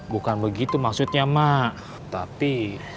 bukan begitu maksudnya mak tapi